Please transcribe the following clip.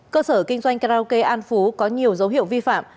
cơ sở kinh doanh karaoke an phú có nhiều dấu hiệu vi phạm